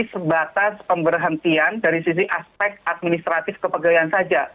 sebatas pemberhentian dari sisi aspek administratif kepegaian saja